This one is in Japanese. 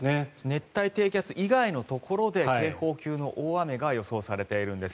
熱帯低気圧以外のところで警報級の大雨が予想されているんです。